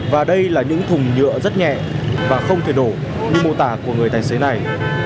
và đây là những thùng nhựa rất nhẹ và không thể đổ như mô tả của người tài xế này